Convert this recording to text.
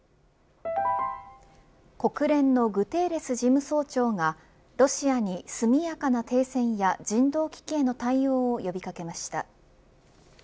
国連のグテーレス事務総長がロシアに速やかな停戦や人道危機への対応を呼び掛けました。